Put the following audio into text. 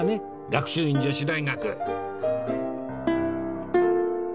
学習院女子大学